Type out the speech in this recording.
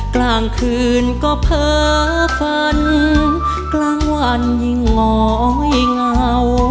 กลางคืนก็เผลอฝันกลางวันยิ่งงอยเงา